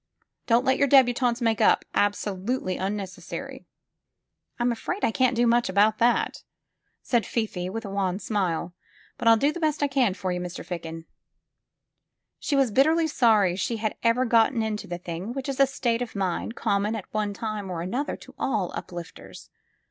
Don't let your debutantes make up. Absolutely unnecessary." "I'm afraid I can't do much about that," said Fifi with a wan smile, "but 111 do the best I can for you, Mr. Ficken." She was bitterly sorry she had ever gone into the thing, which is a state of mind common at one time or another to all uplifters.